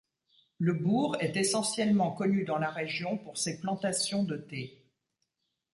Le bourg est essentiellement connu dans la région pour ses plantations de thé.